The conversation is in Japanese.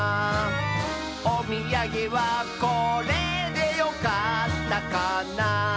「おみやげはこれでよかったかな」